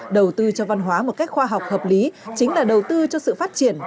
đầu tư cho văn hóa một cách khoa học hợp lý chính là đầu tư cho sự phát triển